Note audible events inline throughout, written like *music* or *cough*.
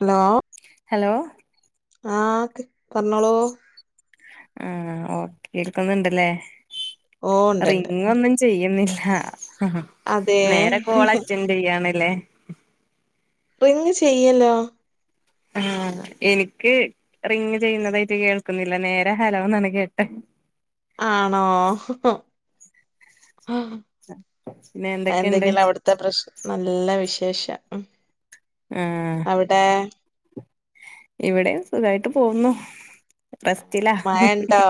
Hello hello ആഹ് പറ്ഞ്ഞോളൂ ഉം ഓക്കേ കേൾക്കുന്ന്ണ്ട്ല്ലെ ഓ ഉണ്ട്ണ്ട് റിങ്ങൊന്നും ചെയ്യുന്നില്ല അതെ നേരെ കോള് അറ്റന്റെയാണ്ലെ റിങ്ങ് ചെയ്യല്ലോ ഉം ഇന്ക് റിങ്ങ് ചെയ്യുന്നതായിട്ട് കേൾക്കുന്നില്ല നേരെ ഹലോ ന്നാണ് കേട്ടെ ആണോ പിന്നെ എന്തൊക്കെയുണ്ട് എന്തെങ്കിലും അവിടുത്തെ പ്രശ്ന നല്ല വിശേഷം ഉം അവിടെ ഇവിടേം സുഖായിട്ട് പോവുന്നു റെസ്റ്റിലാ മഴ ഉണ്ടോ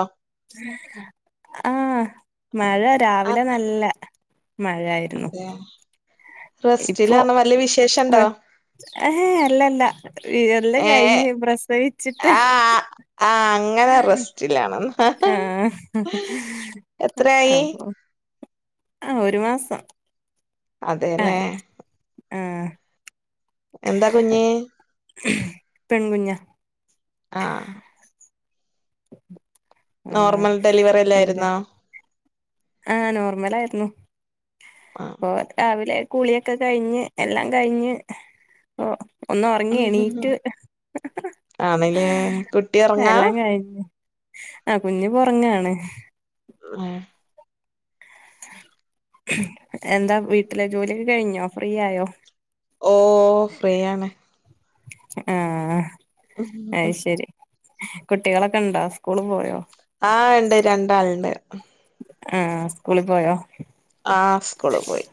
ആഹ് മഴ ആ രാവിലെ നല്ല മഴായിരുന്നു അതെ റെസ്റ്റില് ഇപ്പൊ പറഞ്ഞ വല്ല പ്ര വിശേഷണ്ടോ ഏഹ് അല്ലല്ല എല്ലം ഏ കഴിഞ്ഞ് പ്രസവിച്ചിട്ട് ആഹ് അങ്ങനെ റെസ്റ്റിലാണ് ആഹ് എത്രയായി അപ്പൊ ആഹ് ഒരു മാസം അതെല്ലേ ആയി ആഹ് എന്താ കുഞ്ഞ് പെൺകുഞ്ഞാ ആഹ് *inaudible* ആഹ് നോർമൽ ഡെലിവറി പിന്നെ അല്ലായിരുന്നോ ആഹ് നോർമലായിരുന്നു ആഹ് ഇപ്പൊ രാവിലെ കുളിയൊക്കെ കഴിഞ്ഞ് എല്ലാം കഴിഞ്ഞ് ഓ ഒന്ന് ഉറങ്ങി എണീറ്റ് ആണില്ലേകുട്ടി ഉറങ്ങാ കഴിഞ്ഞു ആഹ് കുഞ്ഞു ഇപ്പം ഉറങ്ങാണ് *inaudible* എന്താ വീട്ടിലെ ജോലിയൊക്കെ കഴിഞ്ഞോ ഫ്രീ ആയോ ഓ ഫ്രീയാണ് ആഹ് അത് ശരി കുട്ടികളൊക്കെ ഉണ്ടോ സ്കൂള് പോയോ ആഹ് ഉണ്ട് രണ്ടാളുണ്ട് ആഹ് സ്കൂളിൽ പോയോ ആഹ് സ്കൂള് പോയി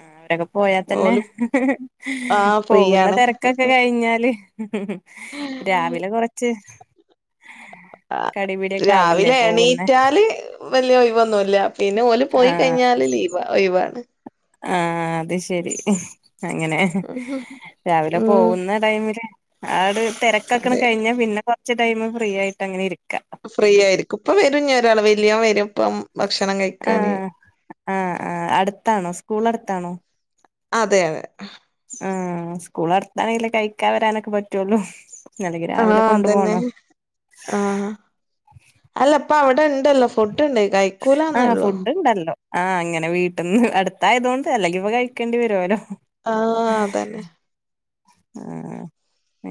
ആഹ് അവരൊക്കെ പോയാൽ തന്നെ ഓല് ഹ് ആ ഹ് പോകുന്ന ഫ്രീയാണ് തിരക്കൊക്കെ കഴിഞ്ഞാല് ഹു ഹു രാവിലെ കൊറച്ച് ആ കടിപിടിയൊക്കെ ആവൂലേ രാവിലെ പോകുന്നെ എണീറ്റാല് വല്ല്യ ഒഴിവൊന്നുല്ല്യ പിന്നെ ഓല് പോയി ആഹ് കഴിഞ്ഞാല് ലീവ് വാ ഒഴിവാണ് ആഹ് അത് ശരി അങ്ങനെ രാവിലെ ഉം പോവുന്ന ടൈമില് ആവിട് തിരക്കെക്കണ് അതെ കഴിഞ്ഞ പിന്നെ കൊറച്ച് ടൈം ഫ്രീ ആയിട്ട് അങ്ങനെ ഇരിക്കാം ഫ്രീ ആയിരിക്കും ഇപ്പൊ വരും ഒരാള് വലിയോൻ വരും ഇപ്പം ഭക്ഷണം കഴിക്കാന് ആഹ് ആഹ് ആഹ് അടുത്താണോ സ്കൂൾ അടുത്താണോ അതെയതെ ആഹ് സ്കൂളൾ അടുത്താണെങ്കിലേ കഴിക്കാൻ വരാനൊക്കെ പറ്റുള്ളൂ നിലക്ക് ആ രാവിലെ കൊണ്ടു അതന്നെ പോണോ ആ അല്ല ഇപ്പം അവിടെ ഇണ്ടല്ലോ ഫുഡുണ്ട് കൈക്കൂലാന്നേ ആഹ് ഉള്ളു ഫുഡ് ഉണ്ടല്ലോ ആഹ് അങ്ങനെ വീട്ടിന്ന് അടുത്തായതുകൊണ്ട് അല്ലെങ്കി ഇപ്പ കഴിക്കേണ്ടി വരുമല്ലോ ആ അതന്നെ ആഹ്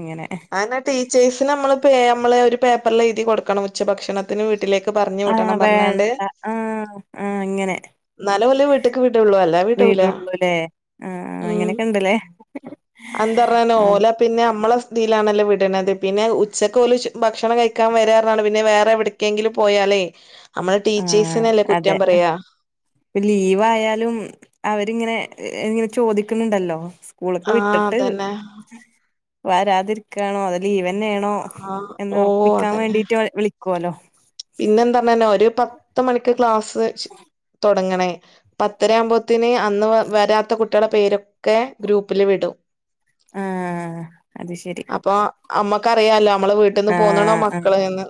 ഇങ്ങനെ അങ്ങനെ ടീച്ചേഴ്സിന് നമ്മള് പേ നമ്മള് ഒരു പേപ്പറിൽ എഴുതി കൊടുക്കണം ഉച്ചഭക്ഷണ ത്തിന് വീട്ടിലേക്ക് പറഞ്ഞു ആഹ് വിടണം പറഞ്ഞാണ്ട് വേണ്ട ആഹ് ആഹ് അങ്ങനെ ന്നാലെ ഓലേ വീട്ടിക്ക് വിടുള്ളൂ അല്ലാതെ വീട്ടൂല. വീടുള്ളൂല്ലേ ആഹ് അങ്ങനെയൊക്കെ ഉണ്ടല്ലേ അന്തറഞ്ഞാ അത് ഓല പിന്നെ നമ്മള് ഇതിയിലാണല്ലോ വിട്ണത്. പിന്നെ ഉച്ചക്ക് ഓല് ഷ് ഭക്ഷണം കഴിക്കാം വരാറ്ണാണ്ട് പിന്നെ വേറെ എവിട് കെങ്കിലും പോയാലേ നമ്മള് ടീച്ചേഴ്സിനേ അല്ലേ കുറ്റം പറയാ. പലീവായാലും അവരിങ്ങനെ ഇങ്ങനെ ചോദിക്കുന്നുണ്ടല്ലോ. ഓള്ക്ക് ആഹ് വിട്ടിട്ട് അതന്നെ വരാതിരിക്കാണോ? അതോ ലീവ്ന്നെയാണോ? ആഹ് എന്ന് ഓ ഉറപ്പിക്കാൻ വേണ്ടീട്ട് വിളികൊല്ലോ. പിന്നെ എന്താന്നറഞ്ഞല് ഒരു പത്ത് മണിക്ക് ക്ലാസ് സ് തൊടങ്ങണേ. പത്തരയാവുമ്പോത്തിന് അന്ന് വരാത്ത കുട്ടിളെ പേരൊക്കെ ഗ്രൂപ്പില് വിടും. ആഹ് അത് ശരി അപ്പൊ നമ്മക്കറിയാലോ നമ്മള് വീട്ടിൽ നിന്ന് പോന്നണോ ആഹ് ആഹ് മക്കള് എന്ന്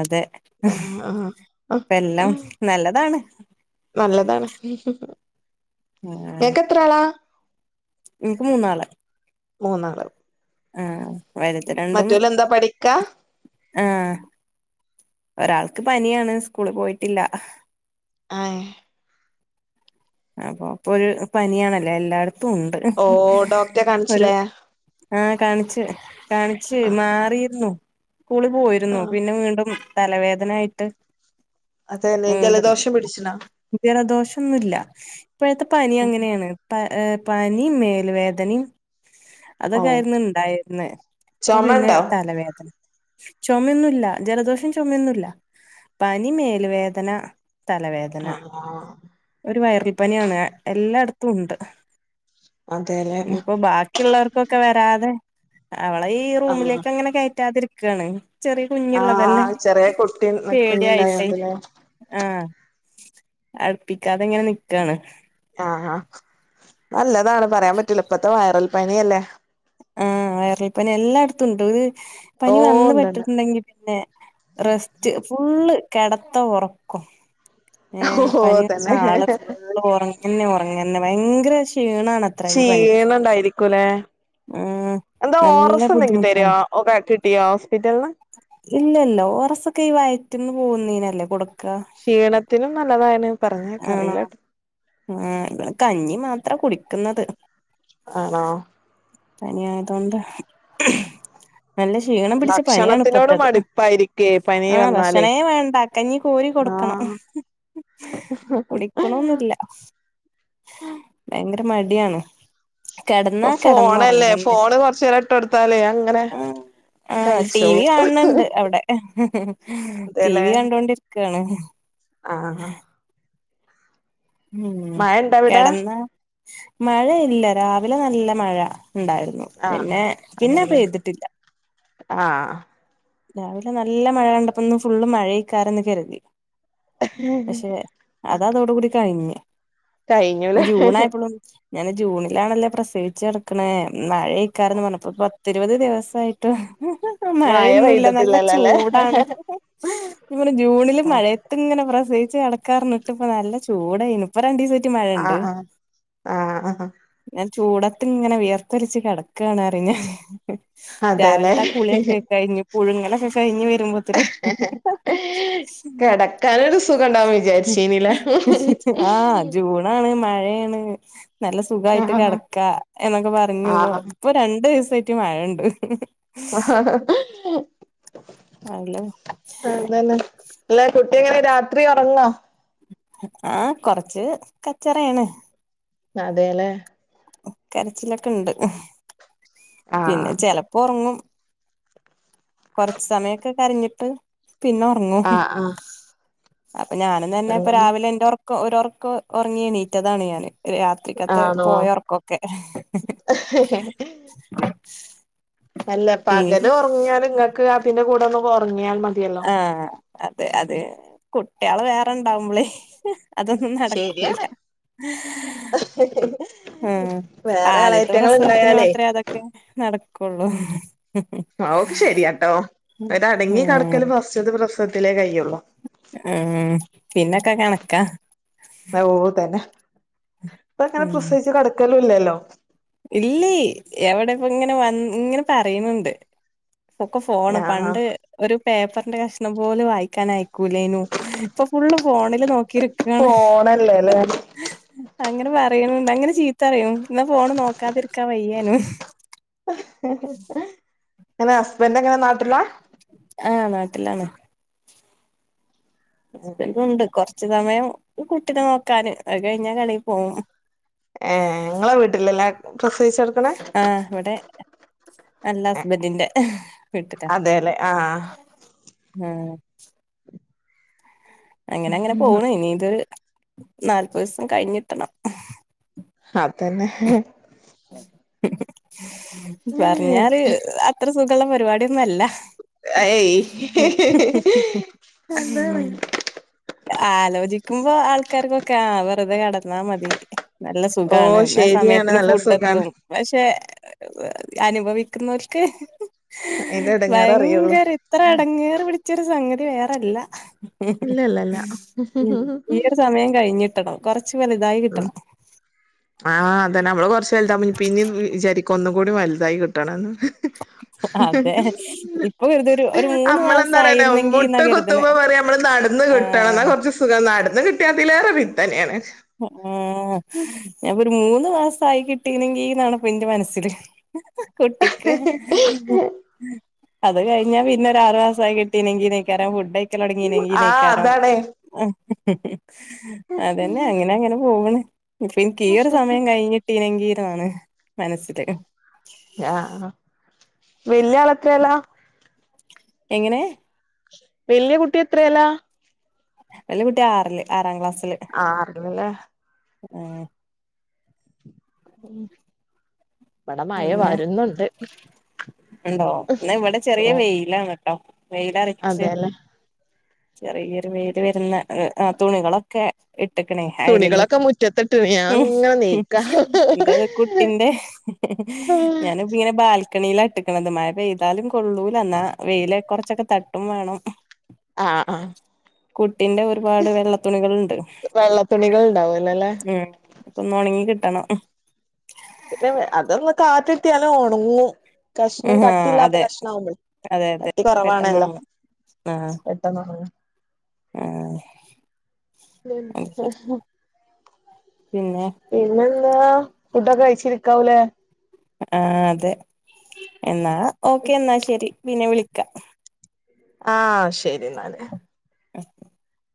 അതെ ഹും ആഹ് ആഹ് ഇപ്പല്ലാം നല്ലതാണ്. നല്ലതാണ്. ഹു ഹും അഹ ആഹാ ത്രആളാ? ഇനിക്ക് മൂന്നാള്. മൂന്നാള് ആഹാ വര മറ്റോല് എന്താ പഠിക്കാ ആഹ് ഒരാൾക്ക് പനിയാണ് സ്കൂള് പോയിട്ടില്ല. ആഹ് അപ്പൊ പ്പൊരു പനിയാണല്ലോ എല്ലായിടത്തും ഉണ്ട് ഓ ഡോക്ടറെ ഒരു കാണിച്ചില്ലേ ആഹ് ആഹ് കാണിച്ച് കാണിച്ച് മാറിയിരുന്നു സ്കൂളി പോയിരുന്നു ആഹ് പിന്നെ വീണ്ടും തലവേദന ആായിട്ട്. അതന്നെ വീണ്ടും ജലദോഷം പിടിച്ചിണോ ജലദോഷം ഒന്നുമല്ല ഇപ്പോഴത്തെ പനി അങ്ങനെയാണ് പ് പനി മേൽ വേദനിം ഓ അതൊക്കെ ആയിരുന്നുണ്ടായിരുന്നേ പ്പൊ പിന്നെ ചുമണ്ടോ തലവേദന ചുമയൊന്നില്ല ജലദോഷം ചുമന്നില്ല പനി മേല് വേദന തലവേദന ആഹആഹാ ഒരു വയറിൽപ്പനിയാണ്. എല്ലായിടത്തും ഉണ്ട് അതെല്ലേ ഇനിപ്പോ ബാക്കി ക്കിള്ളർക്കൊക്കെ വരാതെ അവളെ ഈ ആഹ് റൂമിലേക്ക് അങ്ങനെ കയറ്റാതിരിക്കയാണ്. ചെറിയ കുഞ്ഞുള്ളതല്ലേ ആഹ് ചെറിയ കുട്ടി പേടിയായിസേ കുഞ്ഞുണ്ടായോണ്ടല്ലേ ആഹ് അടുപ്പിക്കാതെങ്ങനെ നിക്കാണ് ആഹ് ആ നല്ലതാണ് പറയാൻ പറ്റൂല ഇപ്പത്തെ വൈറൽ പനിയല്ലേ ആഹ് വയറൽപ്പനി എല്ലായിടത്തും ഉണ്ട്. ഒരു ഓ പനി വന്ന് ഉണ്ട്ണ്ട് പെട്ടിട്ടുണ്ടെങ്കി പിന്നെ റെസ്റ്റ് ഫുള്ള് കിടത്തം ഉറക്കം ഏഹ ഓ പനി വന്ന ആള് തന്നെ ഫുളള് ഉറങ്ങനെ ഉറങ്ങന്നെ ഭയങ്കര ക്ഷീണാണ് ക്ഷീണം ഇണ്ടായിരിക്കുംല്ലെ ആഹ് എന്താ നല്ല ഓറസ് എന്തെങ്കി ബുദ്ധിമുട്ടാണ് തരുവോ ഓക്കെ കിട്ടിയോ ഹോസ്പിറ്റല്ന് ഇല്ലല്ല ഓറസൊക്കെ ഈ വയറ്റന്ന് പോകുന്നീനല്ലേ കൊട ക്ഷീണത്തിനും നല്ലതായന് പറഞ്ഞ അറിയില്ലട്ടോ ആ ഇപടെ കഞ്ഞി മാത്ര കുടിക്കുന്നത് ആണോ? പനിയാതുണ്ട് നല്ല ക്ഷീണം പിടിച്ച പനിയണ് ഭക്ഷണത്തിനോട് ഇപ്പത്തത് മടുപ്പായിരിക്കേ പനി ആ വന്നാലേ ഭക്ഷണേ വേണ്ട കഞ്ഞി കോരി കൊടുക്കണം ആഹ് കുടിക്കണൊന്നില്ല. ഭയങ്കര മടിയാണ്. കിടന്നാ ഇപ്പൊ ഫോണല്ലേ കിട്ന്നോറങ്ങന്നെ ഫോണ് കൊറച്ചേരം ഇട്ട് കൊടുത്താലേ അങ്ങനെ ആഹ ആഹ ടി വി കഴിച്ചോളും കാണ് ണ്ട് അവിടെ. ടി അതെല്ലേ വി കണ്ടൊണ്ടിരിക്കയാണ് ആഹ് ആഹ ഉം മഴ ഇണ്ട അവിടെ കെടന്നോ. മഴയില്ല. രാവിലെ നല്ല മഴ ഉണ്ടായിരുന്നു. ആഹ് പിന്നെ പിന്നെ അതെല്ലേ പെയ്തിട്ടില്ല. ആഹ്. രാവിലെ നല്ല മഴ കണ്ടപ്പോന്ന് ഫുള്ള് മഴേക്കാർന്ന് കരുതി. പക്ഷെ അത അതോട് കൂടി കഴിഞ്. കഴിഞ്ഞുലേ ജൂണായപ്പോളും, ഞാൻ ജൂണിലാണല്ലേ പ്രസവിച്ച കടക്കണെ. മഴേക്കാർന്ന് പറഞ്ഞപ്പ പത്തിരുപത് ദിവസമായി *inaudible* മയ പെയ്ത് നല്ല ചൂടാണ്. ഇങ്ങനെ ജൂണില് ആഹ് മഴയത്ത് ഇങ്ങനെ പ്രസയിച്ച് കെ കെടക്കാർന്ന്. ത് ഇപ്പ നല്ല ചൂടായുന്നു. ഇപ്പ രണ്ടു ദിവസ ആയിട്ട് മഴിണ്ട്. ആഹ് ആഹ് ആഹ് ഞാൻ ചൂടത്ത് ഇങ്ങനെ വിയർത്തരിച്ച് കിടക്കാണ് പറഞ്ഞെ. അതെല്ലേ രാവിലത്തെ ആ കുളിയൊക്കെ കഴിഞ്, പുഴുങ്ങലൊക്കെ കഴിഞ്ഞ് വരുമ്പോ, കിടക്കാനൊരു സുഖം ഉണ്ടാവും വിചാരിച്ചീനില്ല ആഹ് ജൂണാണ് മഴേണ് നല്ല സുഖായിട്ട് ആഹ് കിടക്ക എന്നൊക്കെ പറഞ്ഞപ്പോ, ആഹ് ഇപ്പൊ രണ്ടു ദിവസായിട്ട് മഴണ്ട്. അല്ല അതന്നെ. ല്ലെ കുട്ടികള് രാത്രി ഒറങ്ങോ? ഏ കൊറച്ച് കച്ചറേണ്. അതെല്ലേ. കരച്ചിലൊക്കെ ഇണ്ട്. പിന്നെ ആഹ് ചെലപ്പോ ഒറങ്ങും. കൊറച്ച് സമയൊക്കെ കരഞ്ഞിട്ട്, പിന്ന ഒറങ്ങും. ആഹ് ആഹ് ഞാനും തന്നെ ഇപ്പ അങ്ങനെ രാവിലെ എന്റോർക്ക ഒരോർക്ക ഒറങ്ങി എണീറ്റതാണ് ഞാന്. രാത്രിക്കത്തെ ആണോ പോയൊർക്കൊക്കെ. അല്ല പകല് ഉറങ്ങിയാല്, ങ്ങക്ക് അതിന്റെ കൂടെ ഒന്ന് ഉറങ്ങിയാൽ മതിയല്ലോ. ആഹ അതെ അത കുട്ടിയാള് വേറെണ്ടാവുംമ്പളെയ്. അതൊന്നും നടക്കൂല. ശരിയാണ് *unintelligible* ഏഹ് വേറെ ആദ്യത്തെ എളയറ്റങ്ങൾ പ്രസവത്തിന് ഉണ്ടായാലേ മാത്രെ അതൊക്കെ നടകൊള്ളു. അതൊക്കെ ശരിയാട്ടോ. ഒര് അടങ്ങി കടക്കല് ഉം ഫസ്റ്റ്ത്തെ പ്രസവത്തിലേ കയ്യുള്ളു. ഉം പിന്നൊക്കെ കണക്കാ. ഓ തന്നെ. ഇപ്പ അങ്ങനെ പ്രസവിച്ച് കടക്കലും ഇല്ലല്ലോ. ഇലെയ്. എവടെ ഇപ്പ ഇങ്ങനെ വന് ഇങ്ങനെ പറയ്ണ്ട്. ഒക്കെ ഫോണ്. ആഹ് പണ്ട് ഒരു പേപ്പറിന്റെ കഷ്ണം പോലും വായിക്കാനായി ഒക്കുലേനു. ഇപ്പൊ ഫുള്ള് ഫോണില് നോക്കിരിക്കാണ്. ഫോണല്ലേല്ലേ അങ്ങനെ പറയ്ണണ്ട്‌. അങ്ങനെ ചീത്തറയും. ഇന്ന ഫോണ് നോക്കാതിരിക്കാൻ വയ്യാനും. ഇങ്ങളെ ഹസ്ബൻറ് എങ്ങനെ നാട്ടിലാ? ആഹ് നാട്ടിലാണ്. ഹസ്ബൻഡുണ്ട് കൊറച്ച് സമയം കുട്ടീനെ നോക്കാന്. അത് കഴിഞ്ഞാ കടേ പോകും. ഏഹ് ഇങ്ങളെ വീട്ടിലല്ലേ പ്രസവിച്ചട ആഹ് ഇവിടെ അല്ല. ഹസ്ബൻറിന്റെ വീട്ടിക്കാ. അതേല്ലേ ആഹ്. ഉം അങ്ങനെ അങ്ങനെ പോണ്. ഇനി ഇത് നാല്പത് ദിവസം കഴിഞ്ഞിട്ടണം. അതന്നെ. പറഞ്ഞാല് അത്ര സുഖള്ള പരിപാടിയൊന്നുല്ല. ഏയ് അതാണ് *inaudible* ആലോചിക്കുമ്പോ ആൾക്കാർക്കൊക്കെ ആ വെറുതെ കടന്നാ മതി. നല്ല ഓ സുഖാണ് ന്നാ ശരിയാണ് സമയത്തിന് നല്ല ഫുഡ് സുഖാണ് എത്തും. പക്ഷെ അനുഭവിക്കുന്നോൽക്ക്. അയിന്റെ എടങ്ങേറ് അറിയുള്ളൂ ഭയങ്കര ഇത്ര എടങ്ങേറ് പിടിച്ചൊരു സംഗതി വേറെല്ല. ഇല്ല ഇല്ല ഇല്ല ഈ ഒരു സമയം കഴിഞ്ഞിട്ടണം കൊറച്ച് വലുതായി ഉം കിട്ടണം. ആഹ് അതന്നെ നമ്മള് കുറച്ച് വലുതായി പിന്നീ വിചാരിക്കും ഒന്നും കൂടി വലുതായി കിട്ടണംന്ന്. അതെ ഇപ്പൊ കരുതൊരു ഒരു മൂന്ന് നമ്മളെന്താ മാസം പറയാന്നറിയോ ആയിരുന്നെങ്കി എന്നാ മുട്ട് കു കരുതണേ ത്തുമ്പ പറിം നമ്മള് നടന്ന് കിട്ടണം എന്നാ ആഹ് കുറച്ച് സുഖം നടന്ന് കിട്ടിയ അതിലേറെ പിത്തന്നെയാണ്. ഉം ഞാൻ വിട്ട്. ഒരു മൂന്ന് മാസം ആയി കിട്ടീനെങ്കിന്നാണ്പ്പ ന്റെ മനസ്സില്. കുട്ടിക്ക്. അത് കഴിഞ്ഞാ പിന്നെ ഒരു ആറു മാസായി കിട്ടീനെങ്കി നേക്കാരം ഫുഡ് കഴി ക്കാൻ തൊടങ്ങീണെങ്കി ആഹ് നയിക്കാരോ. അതാണേ അതന്നെ അ ങ്ങനെ അങ്ങനെ പോക്ണ്. ഇനിക്കീയൊരു സമയം കഴിഞ്ഞിട്ടീനെങ്കി ന്നാണ് മനസ്സില്. ആഹ് വല്ല്യ ആളെത്രേല്ലാ? എങ്ങനെ? വല്ല്യ കുട്ടി എത്രേല്ലാ? വെല്ല്യ കുട്ടി ആറല് ആറാം ക്ലാസ്സില് ആഹ് അത് പിന്നെ ഏഹ് ഇവടെ മയ പിന്നെ വരുന്നുണ്ട് ഉണ്ടോ എന്ന ഇവിടെ ചെറിയ ഓ വെയിലാണ് ട്ടോ വെയിലരച്ച് അതെല്ലേ ചെറിയൊരു വെയില് വരുന്ന തുണികളൊക്കെ ഇട്ടക്കണേ അയ്യലിൽ തുണികളൊക്കെ മുറ്റത്തിട്ടിണ് ഞാൻ ഇങ്ങനെ നീക്കാ എറത് കുട്ടിന്റെ ഞാൻ പ്പങ്ങനെ ബാൽക്കണിൽട്ടക്കണത് മഴ പെയ് എന്താലും കൊള്ളൂല ന്നാ വെയിലെ കുറച്ചൊക്കെ തട്ടും വേണം ആഹ് ആഹ് കുട്ടിന്റെ ഒരുപാട് വെള്ളത്തണികൾണ്ട് വെള്ള തുണികൾ ഉണ്ടാവൂലല്ലേ ഉം അപ്പൊന്ന് ണങ്ങി കിട്ടണം പിന്നെ അതൊന്ന് കാറ്റിട്ടിയാല ഉണങ്ങും കഷ്ണം ആ കട്ടില്ലാത്ത അതെ കഷ്ണം ആവുമ്പോള അതെ അതെ കട്ടി പെട്ടെന്ന് കുറവാണല്ലോ ഒണങ്ങും പെട്ടെന്നൊണങ്ങ ആഹ് *inaudible* പിന്നെ പിന്നെന്താ ഫുഡൊക്കെ കഴിച്ചിരിക്കാവല്ലേ ആഹ് അതെ എന്നാ ഓക്കെ എന്നാ ശരി പിന്നെ വിളിക്കാം ആഹ് ശരി ന്നാല് *inaudible*